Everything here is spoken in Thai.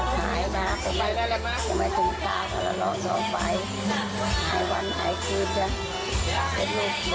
ตามาก็ไม่เห็นหลับนิดก็ไม่เห็นและ